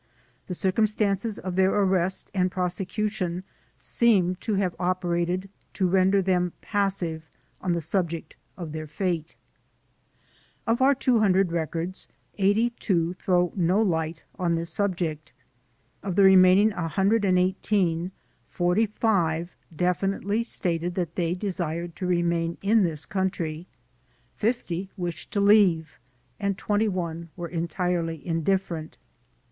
The cir cumstances of their arrest and prosecution seem to have operated to render them passive on the subject of their fatb. Of our 200 records 82 throw no light on this subject. Of the remaining 118, 45 definitely stated that they de sired to remain in this country ; 50 wished to leave, and 21 were entirely indifferent.